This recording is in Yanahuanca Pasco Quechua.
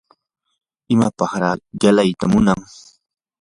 ¿imapaqraa qilayta munan?